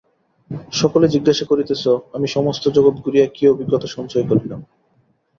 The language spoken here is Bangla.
সকলেই জিজ্ঞাসা করিতেছ, আমি সমস্ত জগৎ ঘুরিয়া কি অভিজ্ঞতা সঞ্চয় করিলাম।